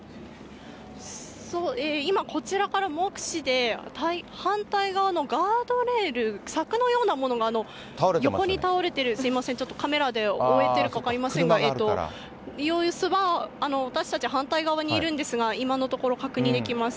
今、こちらから目視で、反対側のガードレール、柵のようなものが横に倒れている、すみません、ちょっとカメラで追えてるか分かりませんが、様子は、私たち、反対側にいるんですが、今のところ確認できます。